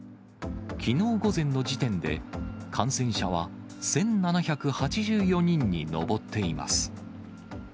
きのう午前の時点で、感染者は１７８４人に上っています。